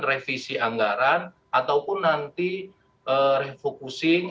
revisi anggaran ataupun nanti refocusing